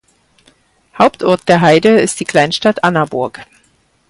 Hauptort der Heide ist die Kleinstadt Annaburg.